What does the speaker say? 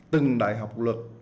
từng đại học luật